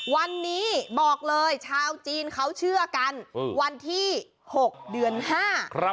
วันนี้บอกเลยชาวจีนเขาเชื่อกันอืมวันที่หกเดือนห้าครับ